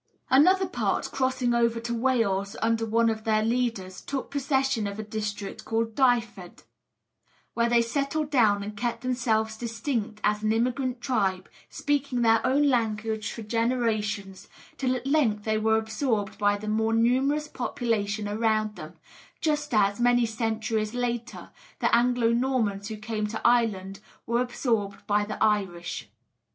Another part, crossing over to Wales under one of their leaders, took possession of a district called Dyfed, where they settled down and kept themselves distinct as an immigrant tribe, speaking their own language for generations, till at length they were absorbed by the more numerous population around them, just as, many centuries later, the Anglo Normans who came to Ireland were absorbed by the Irish.